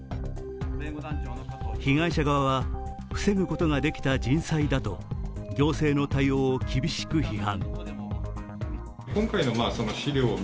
被害者側は防ぐことができた人災だと行政の対応を厳しく批判。